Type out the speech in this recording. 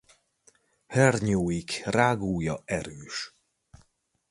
Hernyóik rágója erős.